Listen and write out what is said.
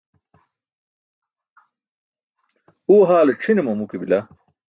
Uwe haale ćʰi̇ne mamu ke bila.